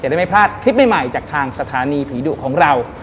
ได้ไม่พลาดคลิปใหม่จากทางสถานีผีดุของเรา